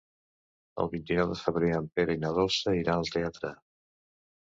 El vint-i-nou de febrer en Pere i na Dolça iran al teatre.